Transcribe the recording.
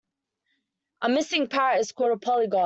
A missing parrot is called a polygon.